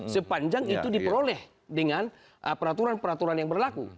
sepanjang itu diperoleh dengan peraturan peraturan yang berlaku